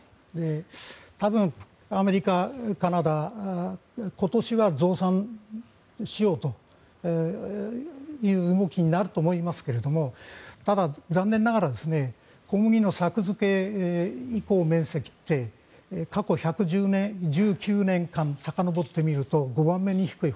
多分、アメリカ、カナダ今年は増産しようという動きになると思いますけれどもただ、残念ながら小麦の作付け面積って過去１１９年間さかのぼってみると５番目に低い。